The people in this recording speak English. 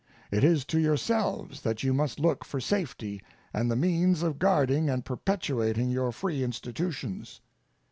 It is to yourselves that you must look for safety and the means of guarding and perpetuating your free institutions.